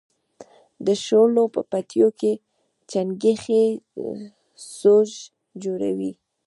د شولو په پټیو کې چنگښې ځوږ جوړوي.